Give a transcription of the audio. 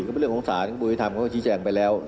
ก็เป็นเรื่องของสารบริธรรมเขาก็ชี้แจงไปแล้ว